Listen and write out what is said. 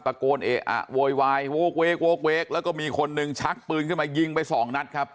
ตะโกนเอะอะโวยวายโว๊กเวกโว๊กเวกแล้วก็มีคนหนึ่งชักปืนขึ้นมายิงไปสองนัดครับ